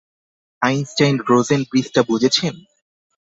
Einstein-Rosen ব্রিজটা বুঝেছেন?